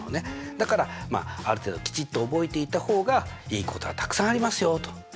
だからある程度きちっと覚えていた方がいいことがたくさんありますよと。